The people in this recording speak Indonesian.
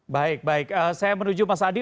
baik baik saya menuju mas adi